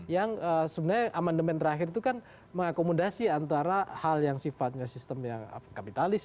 yang sebenarnya aman demen terakhir itu kan mengakomodasi antara hal yang sifatnya sistem kapitalis